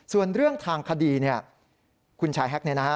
ส่วนเรื่องทางคดีคุณชายแฮคเนี่ยนะฮะ